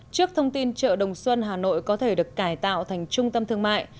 trước thông tin chợ đồng xuân hà nội có thể được cải tạo thành trung tâm thương mại